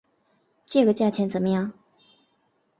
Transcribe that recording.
这个价钱怎么样？